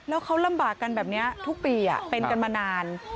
แล้วเขาลำบากกันแบบนี้ทุกปีเป็นกันมานาน